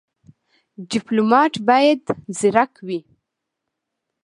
ډيپلومات بايد ځيرک وي.